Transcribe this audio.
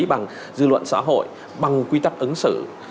bằng dư luận xã hội bằng quy tắc ứng xử